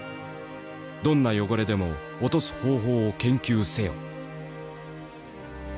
「どんな汚れでも落とす方法を研究せよ」。